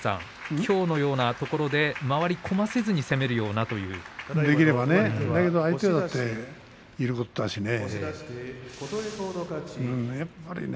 きょうのようなところで回り込ませずに攻めるようなということですね。